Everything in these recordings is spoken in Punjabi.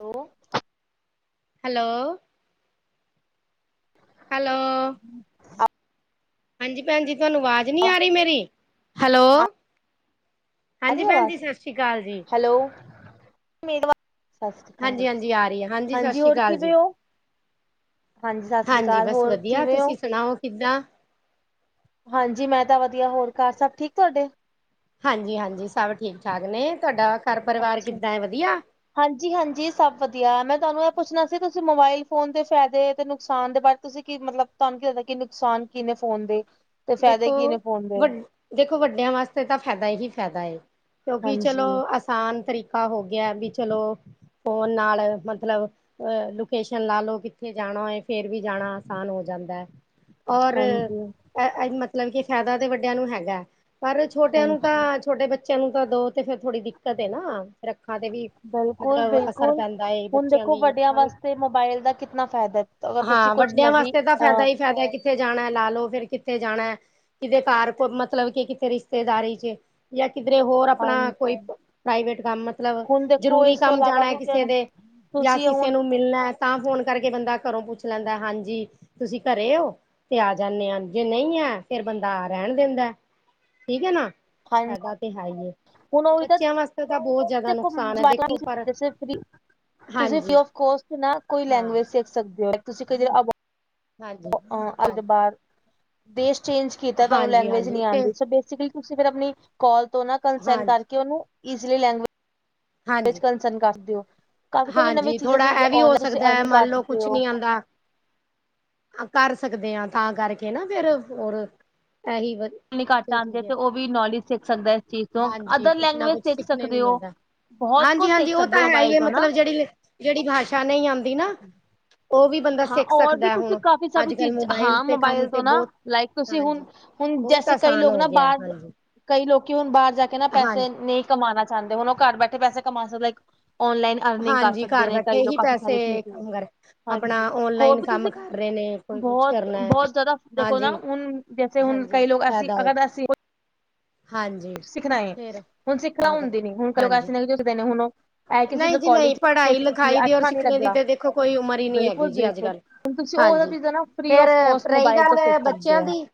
ਹੈਲੋ ਹੈਲੋ ਹੈਲੋ ਹਾਂਜੀ ਭੈਣਜੀ ਤੁਹਾਨੂੰ ਆਵਾਜ਼ ਨੀ ਆ ਰਹੀ ਮੇਰੀ ਹੈਲੋ ਹਾਂਜੀ ਭੈਣ ਜੀ ਆਵਾਜ਼ ਸਤਿ ਸ਼੍ਰੀ ਅਕਾਲ ਜੀ। ਹੈਲੋ ਸਤਿ ਸ਼੍ਰੀ ਅਕਾਲ ਹਾਂਜੀ-ਹਾਂਜੀ ਆ ਰਹੀ ਹੈ ਸਤਿ ਹਾਂਜੀ ਸ਼੍ਰੀ ਹੋਰ ਅਕਾਲ ਕਿਵੇ ਜੀ। ਉਹ ਹਾਂਜੀ ਸਤਿ ਸ੍ਰੀ ਅਕਾਲ ਹੋਰ ਕਿਵੇਂ ਹੋ ਕਿਿੱਦਾਂ ਹਾਂਜੀ ਮੈਂ ਤਾਂ ਵਧੀਆ ਹੋਰ ਘਰ ਸਭ ਠੀਕ ਤੁਹਾਡੇ। ਹਾਂਜੀ ਹਾਂਜੀ ਸਭ ਠੀਕ ਠਾਕ ਨੇ ਤੁਹਾਡਾ ਘਰ ਪਰਿਵਾਰ ਅੱਛਾ ਕਿੱਦਾਂ ਹੈ ਵਧੀਆ। ਹਾਂਜੀ ਹਾਂਜੀ ਸਭ ਵਧੀਆ ਮੈਂ ਤੁਹਾਨੂੰ ਇਹ ਪੁੱਛਣਾ ਸੀ। ਤੁਸੀਂ ਮੋਬਾਇਲ ਫੋਨ ਦੇ ਫ਼ਾਇਦੇ ਤੇ ਨੁਕਸਾਨ ਦੇ ਬਾਰੇ। ਤੁਸੀਂ ਕੀ ਮਤਲਬ ਤੁਹਾਨੂੰ ਕੀ ਲੱਗਦਾ ਕਿ ਨੁਕਸਾਨ ਕੀ ਨੇੇ ਫੋਨ ਦੇ ਤੇ ਦੇਖੋ ਫਾਇਦੇ ਕੀ ਨੇ ਫੋਨ ਵ ਦੇ। ਦੇਖੋ ਵੱਡਿਆਂ ਵਾਸਤੇ ਤਾਂ ਫਾਇਦਾ ਹੀ ਫਾਇਦਾ ਹੈ। ਕਿਉਂਕਿ ਚਲੋ। ਹਾਂਜੀ ਆਸਾਨ ਤਰੀਕਾ ਹੋ ਗਿਆ ਹੈ। ਵੀ ਚਲੋ ਫੋਨ ਨਾਲ ਮਤਲਬ। ਅਹ ਲੋਕੇਸ਼ਨ ਲਾ ਲੋ ਕਿੱਥੇ ਜਾਣਾ ਏ ਫੇਰ ਵੀ ਜਾਣਾ ਆਸਾਨ ਹੋ ਜਾਂਦਾ ਹੈ। ਔਰ। ਹਾਂਜੀ ਅਹ ਮਤਲਬ ਕਿ ਫਾਇਦਾ ਤੇ ਵੱਡਿਆਂ ਨੂੰ ਹੈਗਾ। ਪਰ ਛੋਟਿਆਂ ਨੂੰ ਤਾਂ ਹਾਂਜੀ ਛੋਟੇ ਬੱਚੇ। ਬੱਚਿਆਂ ਨੂੰ ਤਾਂ ਦੋ ਤੇ ਫੇਰ ਥੋੜੀ ਦਿੱਕਤ ਹੈ। ਨਾ ਰੱਖਾਂ ਤੇ ਵੀ। ਬਿਲਕੁਲ ਮਤਲਬ ਅਸਰ ਬਿਲਕੁਲ ਪੈਂਦਾ ਏ ਹੁਣ ਬੱਚਿਆਂ ਦੇਖੋ ਦੀ ਵੱਡਿਆਂ ਅੱਖਾਂ ਵੀ ਵਾਸਤੇ ਮੋਬਾਇਲ ਦਾ ਕਿਤਨਾ ਫਾਇਦਾ ਹੈ। ਅਗਰ ਤੁਸੀਂ ਹਾਂ ਕੁਛ ਵੱਡਿਆਂ ਨਵੀਂ ਵਾਸਤੇ ਤਾਂ ਫੈਦਾ ਅਹ ਈ ਫੈਦਾ। ਕਿ ਕਿੱਥੇ ਜਾਣੈ? ਲਾ ਲੋ ਫਿਰ ਕਿੱਥੇ ਜਾਣੈ, ਕਿਦੇ ਘਰ ਮਤਲਬ ਕਿ, ਕਿੱਥੇ ਰਿਸ਼ਤੇਦਾਰੀ 'ਚ। ਜਾਂ ਕਿਧਰੇ ਹੋਰ ਆਪਣਾ, ਕੋਈ ਹਾਂਜੀ ਪ੍ਰਾਈਵੇਟ ਕੰਮ ਮਤਲਬ ਹੁਣ ਦੇਖੋ ਜ਼ਰੂਰੀ ਇਸ ਤੋਂ ਕੰਮ ਇਲਾਵਾ ਵੀ ਤੁਸੀਂ ਹੁਣ ਮਿਲਣੈ, ਤਾਂ ਫੋਨ ਕਰਕੇ ਬੰਦਾ ਘਰੋਂ ਪੁੱਛ ਲੈਂਦੈ, ਹਾਂਜੀ, ਤੁਸੀਂ ਘਰੇਂ ਓ? ਤੇ ਆ ਜਾਂਨੇ ਆਂ, ਜੇ ਨਈਂ ਐਂ, ਫੇਰ ਬੰਦਾ ਰਹਿਣ ਦਿੰਦੈਂ, ਠੀਕ ਹੈ ਨਾ। ਹਾਂਜੀ ਫੈਦਾ ਤੇ ਹੈ ਹੀਐ। ਹੁਣ ਉਹੀ ਤਾਂ, ਫ ਹੈ ਦੇਖੋ ਪਰ [unintelligible] ਤੁਸੀਂ ਫ੍ਰੀ ਹਾਂਜੀ ਕੋਸਟ ਨਾ, ਕੋਈ ਹਾਂ ਲੈਂਗਵੇਜ ਸਿੱਖ ਸਕਦੇ ਹੋ। ਤੁਸੀਂ ਹਾਂ ਅੱ ਬਾਹਰ ਦੇਸ਼ ਚੇਂਜ ਕੀਤਾ ਤੁਹਾਨੂੰ ਹਾਂਜੀ ਲੈਂਗੁਏਜ ਹਾਂਜੀ ਨਹੀਂ ਤੇ ਆਉਂਦੀ ਸ [unintelligible] ਤੁਸੀਂ ਫੇਰ ਆਪਣੀ ਕਾਲ ਤੋਂ ਨਾ ਕੰਸਨ ਹਾਂਜੀ, ਕਰਕੇ ਉਹਨੂੰ ਈਜਲੀ ਲੈਗੂਅਜ। [unintelligible] ਇਸ ਹਾਂਜੀ, 'ਚ ਕਸਨ ਕੱਸ ਦਿਓ। [unintelligible] ਹਾਂਜੀ, ਥੋੜਾ ਐ ਵੀ ਹੋ ਸਕਦੈ, ਮੰਨ ਕਰ ਲਓ ਸਕਦੇ ਕੁਛ ਹੋ ਨੀ ਆਂਦਾ। ਹਾਂ ਕਰ ਸਕਦੇ ਆਂ, ਤਾਂ ਕਰਕੇ ਨਾ ਫੇਰ, ਹੋਰ ਇਹੀ ਵਾਰੀ ਘੱਟ ਆਉਂਦੀ ਹੈ ਤੇ ਉਹ ਵੀ ਨੌਲੇਜ ਸਿੱਖ ਸਕਦੈ, ਇਸ ਚੀਜ਼ ਤੋਂ, ਹਾਂਜੀ ਅਦਰ ਕੁਛ ਨਾ ਲੈਂਗਵੇਜ ਕੁਛ ਸਿੱਖ ਸਿੱਖਣੇ ਨੂੰ ਸਕਦੇ ਓ। ਮਿਲਦਾ ਬਹੁਤ ਹਾਂਜੀ ਕੁਝ ਹਾਂਜੀ ਸਿੱਖ ਉਹ ਸਕਦੇ ਤਾਂ ਓ, ਹੈ ਹੀ ਮੋਬਾਇਲ ਹੈ ਤੋਂ ਨਾ। ਮਤਲਬ, ਜਿਹੜੀ, ਜਿਹੜੀ ਭਾਸ਼ਾ ਨਹੀਂ ਆਉਂਦੀ ਨਾ? ਉਹ ਵੀ ਬੰਦਾ ਹਾਂ ਸਿੱਖ ਔਰ ਸਕਦਾ ਵੀ ਹੈ। ਤੁਸੀਂ ਹੁਣ ਕਾਫੀ ਸਾਰੀ ਅੱਜ ਕੱਲ ਚੀਜ਼, ਮੋਬਾਇਲ ਹਾਂ ਤੇ ਕੰਮ ਮੋਬਾਇਲ ਤੇ ਤੋਂ ਨਾ, ਬਹੁਤ ਲਾਇਕ ਤੁਸੀਂ ਹਾਂਜੀ ਹੁਨ-ਹੁਨ, ਬਹੁਤ ਜੈਸੇ ਕਈ ਆਸਾਨ ਲੋਕ ਹੋ ਨਾ ਗਿਆ ਬਾਹਰ, ਹਾਂਜੀ ਕਈ ਲੋਕੀ ਹੁਨ ਬਾਹਰ ਜਾ ਕੇ ਨਾ ਹਾਂਜੀ ਪੈਸੇ ਨਈਂ ਕਮਾਨਾ ਚਾਂਦੇ ਹੁਣ ਉਹ ਘਰ ਬੈਠੇ ਪੈਸੇ ਕਮਾ ਸਕਦੈ, ਇੱਕ ਔਨਲਾਈਨ ਅਰਨਿੰਗ ਕਰ ਹਾਂਜੀ ਸਕਦੇ ਘਰ ਨੇ, ਕਈ ਬੈਠੇ ਲੋਕ ਹੀ ਕਾਫੀ ਸਾਰੇ ਪੈਸੇ ਚੀਜ਼, ਕੰਮ ਕਰ ਹਾਂਜੀ ਆਪਣਾ ਹੋਰ ਓਨਲਾਈਨ ਵੀ ਕੰਮ ਤੁਸੀਂ ਕਰ ਰਹੇ ਨੇ ਕੋਈ ਕੁਛ ਬਹੁਤ ਕਰਨਾ ਹੈ ਬਹੁਤ ਜ਼ਿਆਦਾ ਦੇਖੋ ਨਾ, ਹਾਂਜੀ ਹੁਨ ਜੈਸੇ ਹੁਨ ਹਾਂਜੀ ਕਈ ਲੋਕ ਅਸੀਂ, ਫਾਇਦਾ ਏ ਅਗਰ ਅਸੀਂ ਹਾਂਜੀ ਕੁਝ ਸਿੱਖਣਾ ਏ ਫੇਰ ਹੁਣ ਸਿੱਖਣਾ ਤਾਂ ਕਰਕੇ ਹੁੰਦੀ ਨੀ ਹੁਣ ਹਾਂਜੀ ਕਲਕਾਸੀ ਝੁਦੇ ਨੇ ਹੁਣ ਉਹ। [unintelligible] ਐ ਕਿਸੇ ਨਹੀਂ ਜੀ ਨਹੀਂ ਕੋਲੀਜ, ਕੁ ਪੜ੍ਹਾਈ ਸਿੱਖੀ ਲਿਖਾਈ ਦੀ ਔਰ ਅੱਛਾ ਨਹੀਂ ਸਿੱਖਣੇ ਦੀ ਲੱਗਿਆ, ਤੇ ਦੇਖੋ ਕੋਈ ਉਮਰ ਹੀ ਨਹੀਂ ਹੈਗੀ ਬਿਲਕੁਲ- ਜੀ ਅੱਜ ਬਿਲਕੁਲ। ਕੱਲ੍ਹ ਤੁਸੀ ਓ ਵਾਲੀਆਂ ਹਾਂਜੀ ਚੀਜ਼ਾਂ ਨਾ, ਫ੍ਰੀ ਫੇਰ ਆਫ਼ ਕੋਸਟ ਰਹੀ ਮੋਬਾਇਲ ਤੋਂ ਸਿੱਖ ਗੱਲ ਸਕਦੇ ਬੱਚਿਆਂ ਓ। ਦੀ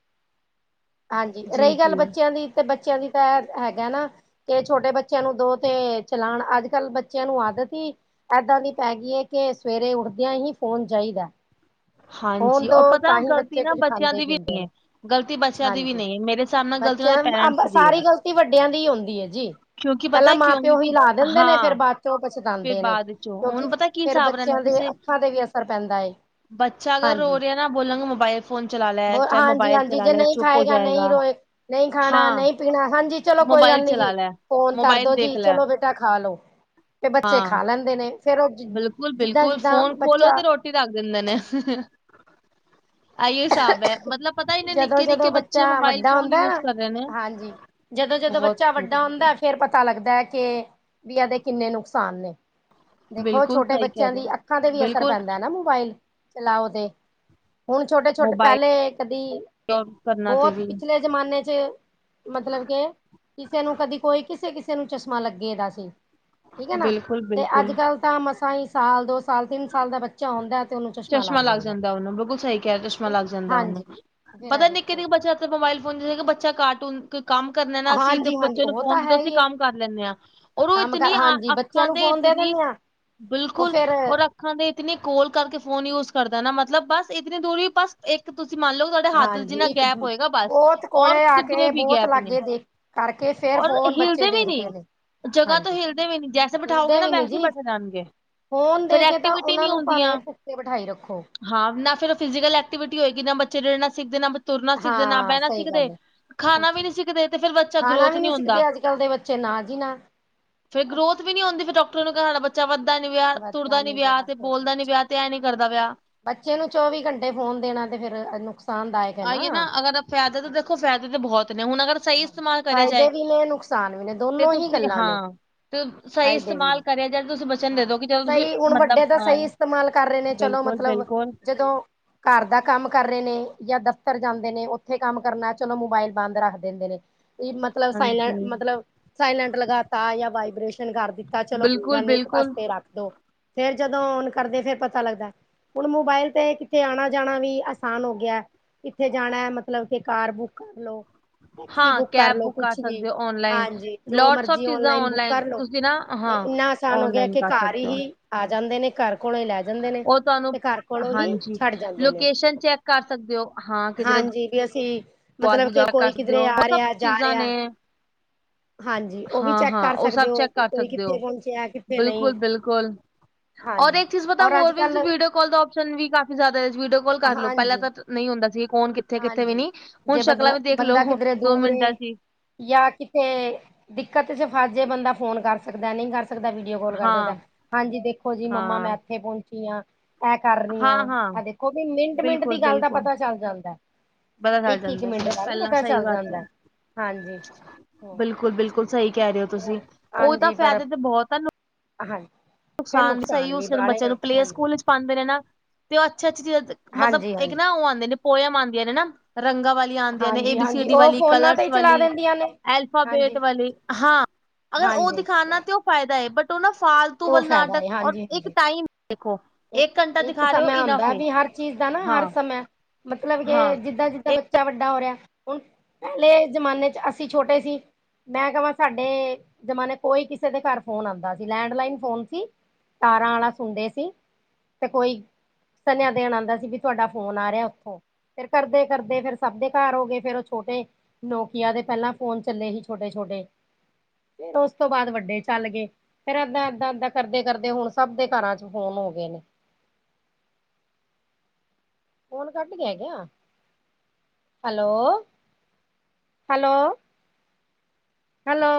ਹਾਂਜੀ, ਰਹੀ ਗੱਲ ਬੱਚਿਆਂ ਦੀ, ਤੇ ਬੱਚਿਆਂ ਦੀ ਤਾਂ ਹੈਗੈ ਨਾ। ਤੇ ਛੋਟੇ ਬੱਚਿਆਂ ਨੂੰ ਦੋ ਤੇ ਚਲਾਉਣ, ਅੱਜ ਕੱਲ੍ਹ ਬੱਚਿਆਂ ਨੂੰ ਆਦਤ ਹੀ ਏਦਾਂ ਦੀ ਪੈ ਗਈ ਐ ਕੇ, ਸਵੇਰੇ ਉੱਠਦਿਆਂ ਹੀ ਫੋਨ ਚਾਈਦਾ। ਫੋਨ ਹਾਂਜੀ ਦੋ ਔਰ ਪਤਾ ਤਾਂਹੀ ਗ਼ਲਤੀ ਬੱਚੇ ਨਾ ਕੁੱਝ ਬੱਚਿਆਂ ਖਾਂਦੇ ਦੀ ਵੀ ਪੀਂਦੇ ਨੇ, ਗ਼ਲਤੀ ਬੱਚਿਆਂ ਦੀ ਵੀ ਹਾਂਜੀ। ਨਹੀਂ ਹੈ ਮੇਰੇ ਹਿਸਾਬ ਨਾਲ ਗ਼ਲਤੀ ਉਹਨਾਂ ਦੇ ਬੱਚਿਆਂ ਨੂੰ, ਅਬ ਪੇਰੈਂਟਸ ਦੀ ਹੈ ਸਾਰੀ ਗ਼ਲਤੀ ਵੱਡਿਆਂ ਦੀ ਹੁੰਦੀ ਏ ਜੀ। ਕਿਉਂਕਿ ਪਤਾ ਪਹਿਲਾਂ ਮਾਂ ਕਿਉਂ ਪਿਓ ਕਿਉਂਕਿ ਹੀ ਲਾ ਦਿੰਦੇ ਨੇ, ਫੇਰ ਹਾਂ ਬਾਚੋਂ ਫਿਰ ਪਛਤਾਉਂਦੇ ਨੇ, ਬਾਅਦ ਚੋਂ ਹੁਣ ਕਿਉਂਕਿ ਪਤਾ ਕੀ ਫੇਰ ਹਿਸਾਬ ਰਹਿੰਦਾ ਬੱਚਿਆਂ ਦੇ ਜੈਸੇ ਅੱਖਾਂ ਤੇ ਵੀ ਅਸਰ ਪੈਂਦਾ ਏ। ਬੱਚਾ ਅਗਰ ਰੋ ਰਿਹਾ ਨਾ, ਬੋਲਾਂਗੇ ਮੋਬਾਈਲ ਫੋਨ ਚਲਾ ਬ ਲੈ ਚਾਹੇ ਹਾਂਜੀ ਮੋਬਾਈਲ ਹਾਂਜੀ ਚਲਾ ਜੇ ਲੈ, ਨਹੀਂ ਚੁੱਪ ਹੋ ਖਾਏਗਾ ਨਹੀਂ ਜਾਏਗਾ। ਰੋਏ ਨਹੀਂ ਖਾਣਾ ਹਾਂ ਨਹੀਂ ਪੀਣਾ ਹਾਂਜੀ ਚਲੋ ਕੋਈ ਮੋਬਾਇਲ ਗੱਲ ਨੀ ਜੀ, ਚਲਾ ਲੈ ਫੋਨ ਮੋਬਾਇਲ ਕਰਦੋ ਦੇਖ ਜੀ, ਲੈ ਚਲੋ ਚੀਜ਼ਾਂ ਖਾ ਲਓ, ਤੇ ਬੱਚੇ ਹਾਂ ਖਾ ਲੈਂਦੇ ਨੇ। ਫੇਰ ਉਹ ਜਿੱਦਾਂ ਬਿਲਕੁਲ-ਬਿਲਕੁਲ ਜਿੱਦਾਂ ਫੋਨ ਖੋਲੋ ਬੱਚਾ ਤੇ ਰੋਟੀ ਰੱਖ ਦਿੰਦੇ ਨੇ। ਆਇਓ ਹਿਸਾਬ ਐ, ਮਤਲਬ ਪਤਾ ਨਹੀਂ ਜਦੋਂ ਨਿੱਕੇ-ਨਿੱਕੇ ਜਦੋਂ ਬੱਚੇ ਬੱਚਾ ਮੋਬਾਇਲ ਵੱਡਾ ਫੋਨ ਹੁੰਦਾ ਯੂਜ ਨਾ ਕਰ ਰਹੇ ਨੇ। ਹਾਂਜੀ ਜਦੋਂ ਜਦੋਂ ਬਹੁਤ ਬੱਚਾ ਸਾਰੀ ਵੱਡਾ ਚੀਜ਼ਾਂ ਹੁੰਦੈ ਫੇਰ ਪਤਾ ਲੱਗਦੈ ਕਿ, ਵੀ ਇਹਦੇ ਕਿੰਨੇ ਨੁਕਸਾਨ ਨੇ। ਦੇਖੋ ਬਿਲਕੁਲ ਛੋਟੇ ਸਹੀ ਕਹਿ ਬੱਚਿਆਂ ਰਹੇ ਦੀ ਅੱਖਾਂ ਤੇ ਹੋ ਵੀ ਅਸਰ ਬਿਲਕੁਲ ਪੈਂਦੈ ਨਾ, ਮੋਬਾਇਲ ਚਲਾਓ ਤੇ, ਹੁਣ ਛੋਟੇ-ਛੋਟੇ ਮੋਬਾਈਲ ਪਹਿਲੇ ਕਦੀ, ਕਰਨਾ ਤੇ ਬੋਤ ਵੀ ਪਿਛਲੇ ਜ਼ਮਾਨੇ ਚ ਮਤਲਬ ਕੇ, ਕਿਸੇ ਨੂੰ ਕਦੀ ਕੋਈ ਕਿਸੇ-ਕਿਸੇ ਨੂੰ ਚਸ਼ਮਾ ਲੱਗੇ ਦਾ ਸੀ। ਠੀਕ ਹੈ ਨਾ, ਬਿਲਕੁਲ ਤੇ ਅੱਜ ਬਿਲਕੁਲ ਕੱਲ ਤਾਂ ਮਸਾਈਂ ਸਾਲ ਦੋ ਸਾਲ ਤਿੰਨ ਸਾਲ ਦਾ ਬੱਚਾ ਹੁੰਂਦੈ, ਤੇ ਉਹਨੂੰ ਚਸ਼ ਚਸ਼ਮਾ ਲੱਗ ਜਾਂਦਾ ਓਨੂੰ ਬਿਲਕੁਲ ਸਹੀ ਕਿਹਾ ਚਸ਼ਮਾ ਲੱਗ ਜਾਂਦਾ ਓਨੂੰ, ਹਾਂਜੀ ਫੇਰ ਆ ਪਤਾ ਨਿੱਕੇ ਦੇਖੋ ਨਿੱ ਬੱਚਾ ਮੋਬਾਇਲ ਫੋਨ ਚ ਸੀਗਾ ਬੱਚਾ ਕਾਰਟੂਨ ਕੋਈ ਕੰਮ ਕਰਨੈ ਨਾ ਅਸੀਂ ਤੇ ਹਾਂਜੀ ਹਾਂਜੀ ਬੱਚੇ ਨੂੰ ਉਹ ਫੋਨ ਤਾਂ ਦਦ ਹੈ ਅਸੀਂ ਹੀ ਹੈ ਕੰਮ ਕਰ ਲੈਂਦੇ ਆਂ, ਔਰ ਉਹ ਇਤਨੀ ਬਚਿਆਂ ਅੱਖਾਂ ਨੂੰ ਤੇ ਫੋਨ ਦੇ ਇਤਨੀ ਦਿੰਨੇ ਆਂ। ਬਿਲਕੁਲ, ਉਹ ਅੱਖਾਂ ਦੇ ਇਤਨੇ ਕੋਲ ਕਰਕੇ ਫੋਨ ਯੂਜ ਕਰਦਾ ਨਾ, ਮਤਲਬ ਬਸ ਇਤਨੀ ਦੂਰੀ ਬਸ ਇੱਕ ਤੁਸੀਂ ਮੰਨ ਲਓ, ਤੁ ਹੱਥ ਹਾਂਜੀ ਜਿੰਨਾ ਇੱਕ ਗੈਪ ਹੋਏਗਾ ਬਸ, ਬਹੁਤ ਔਰ ਕੋਲੇ ਆ ਕਿਧਰੇ ਕੇ ਵੀ ਬਹੁਤ ਗੈਪ ਨੀ। ਲਾਗੇ ਦੇਖ ਕਰਕੇ ਫੇਰ ਔਰ ਫੋਨ ਬੱਚੇ ਹਿਲਦੇ ਵੀ ਨੀ। ਦੇਖਦੇ ਨੇ ਜਗਾ ਤੋ ਹਾਂਜੀ ਹਿਲਦੇ ਵੀ ਨੀ, ਜੈਸੇ ਬਿਠਾਓਗੇ ਹਿਲਦੇ ਨਾ ਵੀ ਨੀ ਵੈਸੇ ਹੀ ਜੀ ਬੈਠੇ ਰਹਿਣਗੇ। ਫੋਨ ਫਿਰ ਦੇ ਕੇ ਤਾਂ ਐਕਟੀਵਿਟੀ ਉਹਨਾਂ ਨਹੀਂ ਨੂੰ ਭਾਵੇਂ ਹੁੰਦੀਆਂ ਪੁੱਕੇ ਬਿਠਾਈ ਰੱਖੋ ਹਾਂ ਨਾ ਫਿਰ ਫਿਜ਼ਕਲ ਐਕਟੀਵਿਟੀ ਹੋਏਗੀ ਨਾ ਬੱਚੇ ਰਿੜਣਾ ਸਿੱਖਦੇ ਨਾ ਬਚ ਤੁਰਨਾ ਸਿੱਖਦੇ, ਨਾ ਹਾਂ ਬਹਿਣਾ, ਸਹੀ ਗੱਲ ਸਿੱਖਦੇ ਹੈ ਖਾਣਾ ਕੁਛ ਵੀ ਨਹੀਂ ਨੀ ਸਿੱਖਦੇ ਤੇ ਫੇਰ ਬੱਚਾ ਖਾਣਾ ਗਰੋਥ ਵੀ ਨਹੀਂ ਨੀ ਹੁੰਦਾ। ਸਿੱਖਦੇ ਅੱਜ ਕੱਲ ਦੇ ਬੱਚੇ ਨਾ ਜੀ ਨਾ। ਫੇਰ ਗਰੋਥ ਵੀ ਨੀ ਹੁੰਦੀ ਫਿਰ ਡਾਕਟਰ ਨੂੰ ਕਹਿਣ ਬੱਚਾ ਵੱਧਦਾ ਨੀ ਪਿਆ, ਵੱਧਦਾ ਤੁਰਦਾ ਨੀ ਪਿਆ ਤੇ ਸਹੀ ਗੱਲ ਬੋਲਦਾ ਨੀ ਪਿਆ। ਤੇ ਐ ਨੀ ਕਰਦਾ ਪਿਆ ਬੱਚੇ ਨੂੰ ਚੌਵੀ ਘੰਟੇ ਫੋਨ ਦੇਣਾ ਤੇ ਫੇਰ ਨੁਕਸਾਨਦਾਇਕ ਏ ਨਾ। ਅਗਰ ਫਾਇਦੇ ਤਾਂ ਦੇਖੋ ਫਾਇਦੇ ਤਾਂ ਬਹੁਤ ਨੇ ਹੁਣ ਅਗਰ। ਸਹੀ ਹਾਂਜੀ, ਇਸਤੇਮਾਲ ਕਰਿਆ ਜਾਏ ਫਾਇਦੇ ਵੀ ਨੇ ਨੁਕਸਾਨ ਵੀ ਨੇ ਤੇ ਦੋਨੋ ਹੀ ਤੁਸੀਂ ਗੱਲਾਂ ਨੇ ਹਾਂ ਤੇ ਸਹੀ ਫਾਇਦੇ ਵੀ ਨੇ ਇਸਤੇਮਾਲ। ਕਰੇ ਜਾਰ ਤੁਸੀਂ ਬਚ ਹਾਂ ਸਹੀ ਹੁਣ ਵੱਡੇ ਦਾ ਸਹੀ ਇਸਤੇਮਾਲ ਕਰ ਰਹੇ ਨੇ ਚਲੋ ਬਿਲਕੁਲ ਮਤਲਬ ਬਿਲਕੁਲ ਜਦੋਂ ਘਰ ਦਾ ਕੰਮ ਕਰ ਰਹੇ ਨੇ ਜਾਂ ਦਫ਼ਤਰ ਜਾਂਦੇ ਨੇ ਉੱਥੇ ਕੰਮ ਕਰਨਾ, ਚਲੋ ਮੋਬਾਇਲ ਬੰਦ ਰੱਖ ਦਿੰਦੇ ਨੇ ਮਤਲਬ ਸਾਇਲੈਂ ਹਾਂਜੀ ਮਤਲਬ ਸਾਇਲੈਂਟ ਲਗਾਤਾ ਜਾਂ ਵਾਈਬ੍ਰੇਸ਼ਨ ਕਰ ਦਿੱਤਾ, ਚਲੋ ਕੋਈ ਬਿਲਕੁਲ ਗੱਲ ਨੀ। ਬਿਲਕੁਲ ਪਾਸੇ ਰੱਖ ਦੋ, ਫੇਰ ਜਦੋਂ ਔਨ ਕਰਦੇ ਫੇਰ ਪਤਾ ਲੱਗਦਾ। ਹੁਣ ਮੋਬਾਇਲ ਤੇ ਕਿਤੇ ਆਣਾ-ਜਾਣਾ ਵੀ ਆਸਾਨ ਹੋ ਗਿਆ। ਕਿੱਥੇ ਜਾਣਾ ਮਤਲਬ ਕੇ ਕਾਰ ਬੁੱਕ ਕਰਲੋ। ਹਾਂ ਕੈਬ ਬੁੱਕ ਕਰ ਸਕਦੇ ਹੋ ਓਨਲਾਈਨ ਹਾਂਜੀ ਜੋ ਲੋਟਸ ਔਫ ਮਰਜੀ ਚੀਜ਼ਾਂ ਔਨਲਾਈਨ ਤੁਸੀਂ ਨਾ ਹਾਂ। ਪਰੇਸ਼ਾਨ ਹੋ ਗਿਆ ਔਨਲਾਈਨ ਕਿ ਕਰ ਘਰ ਹੀ ਸਕਦੇ ਹੋ ਹੀ ਆ ਜਾਂਦੇ ਨੇ, ਘਰ ਕੋਲੋਂ ਹੀ ਲੈ ਜਾਂਦੇ ਨੇ ਉਹ ਤੁਹਾਨੂੰ ਤੇ ਘਰ ਕੋਲੋਂ ਹੀ ਹਾਂਜੀ ਛੱਡ ਜਾਂਦੇ ਨੇ ਉਹ, ਲੋਕੇਸ਼ਨ ਚੈੱਕ ਕਰ ਸਕਦੇ ਹੋ ਹਾਂ ਕਿਧਰੇ ਹਾਂਜੀ। ਵੀ ਅਸੀਂ ਗੋਆ ਚ ਮਤਲਬ ਕੇ ਜਾ ਕਰ ਕੋਈ ਸਕਦੇ ਕਿਧਰੇ ਹੋ ਉਹ ਆ ਸਭ ਰਿਹਾ, ਜਾ ਚੀਜ਼ਾਂ ਰਿਹਾ। ਨੇ ਹਾਂਜੀ, ਉਹ ਵੀ ਹਾਂ ਚੈੱਕ ਹਾਂ ਕਰ ਉਹ ਸਕਦੇ ਸਭ ਹੋ ਚੈੱਕ ਵੀ ਕਰ ਕੋਈ ਸਕਦੇ ਹੋ ਕਿੱਥੇ ਪਹੁੰਚਿਆ। ਨਹੀਂ ਬਿਲਕੁਲ-ਬਿਲਕੁਲ, ਔਰ ਹਾਂਜੀ ਇੱਕ ਚੀਜ਼ ਪਤਾ ਔਰ ਅੱਜ ਹੋਰ ਵੀ ਕੱਲ ਤੁਸੀ ਬਊ ਡੀਓ ਕਲ ਦਾ ਸ਼ਨ ਵੀ ਕਾਫੀ ਜ਼ਿਆਦਾ, ਵੀਡੀਓ ਕਾਲ ਕਰ ਲਓ, ਪਹਿਲਾਂ ਹਾਂਜੀ ਤਾਂ ਨਹੀਂ ਹੁੰਦਾ ਸੀ ਕੋਣ ਕਿੱਥੇ-ਕਿੱਥੇ ਵੀ ਹਾਂਜੀ ਨੀ। ਹੁਣ ਜੇ ਸ਼ਕਲਾਂ ਬਦਲਾ ਵੀ ਦੇਖ ਬੰਦਾ ਲੋ ਕਿਧਰੇ ਦੋ ਦੂਰ ਮਿੰਟਾਂ ਏ। 'ਚ ਈ ਜਾਂ ਕਿਥੇ ਦਿੱਕਤ ਚ ਫਸ ਜਾਏ ਬੰਦਾ ਫੋਨ ਕਰ ਸਕਦਾ, ਨਹੀਂ ਕਰ ਸਕਦਾ ਵੀ। ਵੀਡੀਓ ਕੋਲ ਕਰ ਸਕਦਾ। ਹਾਂ, ਹਾਂਜੀ, ਦੇਖੋ ਜੀ ਮੰਮਾ ਮੈਂ ਹਾਂ, ਇੱਥੇ ਪਹੁੰਚੀ ਹਾਂ, ਇਹ ਕਰ ਰਹੀ ਹਾਂ‌। ਹਾਂ-ਹਾਂ ਵੀ ਮਿੰਟ-ਮਿੰਟ ਦੀ ਗੱਲ ਦਾ ਬਿਲਕੁਲ-ਬਿਲਕੁਲ ਪਤਾ ਚੱਲ ਜਾਂਦਾ ਏ। ਪਤਾ ਚੱਲ ਜਾਂਦਾ। [unintelligible] ਪਹਿਲਾਂ ਸਹੀ ਚੱਲ ਬਾਤ ਹੈ। ਜਾਂਦਾ ਹਾਂਜੀ ਹੂੰ, ਬਿਲਕੁਲ-ਬਿਲਕੁਲ, ਸਹੀ ਕਹਿ ਰਹੇ ਹੋ ਤੁਸੀਂ। ਉਹ ਉਹ ਤਾਂ ਫਾਇਦੇ ਤੇ ਬਹੁਤ ਆ। ਹ ਹਾਂ। ਨੁਕਸਾਨ, ਸਹੀ ਯੂਜ਼ ਕਰਨ ਬੱਚਿਆਂ ਨੂੰ ਪਲੇ ਸਕੂਲ ਵਿੱਚ ਪਾਂਦੇ ਨੇ ਨਾ ਤੇ ਉਹ ਅੱਛੀ-ਅੱਛੀ ਚੀਜ਼ਾਂ ਮਤਲਬ ਹਾਂਜੀ ਇੱਕ ਹਾਂਜੀ ਨਾ ਉਹ ਆਂਦੇ ਨੇ ਪੋਇਆਂਮ ਆਂਦੀਆਂ ਨੇ ਨਾ ਰੰਗਾ ਵਾਲੀਆਂ। ਆਦੀਆਂ ਨੇ ਏ ਹਾਂਜੀ ਬੀ ਸੀ ਹਾਂਜੀ ਡੀ ਉਹ ਵਾਲੀ, ਫੋਨਾਂ ਤੇ ਕਲਰਸ ਹੀ ਚਲਾ ਵਾਲੀ, ਦਿੰਦੀਆਂ ਨੇ ਅਲਫਾਬੇਟ ਹਾਂਜੀ ਵਾਲੀ ਹਾਂ। ਅਗਰ ਉਹ ਹਾਂਜੀ ਦਿਖਾਣਾ ਤਾਂ ਉਹ ਫਾਇਦਾ ਐ ਬਟ ਉਹ ਨਾ ਫਾਲਤੂ ਉਹ ਵੱਲ ਫਾਇਦਾ ਨਾਟਕ ਹੈ ਔਰ ਹਾਂਜੀ ਇੱਕ ਹਾਂਜੀ ਟਾਈਮ ਦੇਖੋ। ਇੱਕ ਸਮਾਂ ਹੁੰਦਾ ਵੀ ਹਰ ਚੀਜ਼ ਦਾ ਨਾ ਹਰ ਸਮੇਂ ਮਤਲਬ ਕੇ ਜਿੱਦਾਂ-ਜਿੱਦਾਂ ਬੱਚ ਬੱਚਾ ਵੱਡਾ ਹੋ ਰਿਹਾ। ਹੁਣ ਪਹਿਲੇ ਜ਼ਮਾਨੇ ਚ ਅਸੀਂ ਛੋਟੇ ਸੀ। ਮੈਂ ਕਵਾਂ ਸਾਡੇ ਜਮਾਨ ਕੋਈ ਕਿਸੇ ਦੇ ਘਰ ਫੋਨ ਆਂਦਾ ਸੀ। ਲੈਂਡ ਲਾਈਨ ਫੋਨ ਸੀ। ਤਾਰਾਂ ਆਲਾ ਸੁਣਦੇ ਸੀ। ਤੇ ਕੋਈ ਸੰਨਿਆ ਦੇਣ ਆਂਦਾ ਸੀ ਵੀ ਤੁਹਾਡਾ ਫੋਨ ਆ ਰਿਹਾ ਉੱਥੋਂ। ਫੇਰ ਕਰਦੇ-ਕਰਦੇ ਫੇਰ ਸਭ ਦੇ ਘਰ ਹੋ ਗਏ ਫੇਰ ਉਹ ਛੋਟੇ ਨੋਕੀਆ ਦੇ ਪਹਿਲਾਂ ਫੋਨ ਚੱਲੇ ਸੀ ਛੋਟੇ-ਛੋਟੇ। ਫੇਰ ਉਸ ਤੋਂ ਬਾਅਦ ਵੱਡੇ ਚੱਲ ਗਏ। ਫੇਰ ਏਦਾਂ-ਏਦਾਂ-ਏਦਾਂ ਕਰਦੇ-ਕਰਦੇ ਹੁਣ ਸਭ ਦੇ ਘਰਾਂ ਚ ਫੋਨ ਹੋ ਗਏ ਨੇ। ਫੋਨ ਕੱਟ ਗਿਆ ਕਿਆ? ਹੈਲੋ। ਹੈਲੋ। ਹੈਲੋ।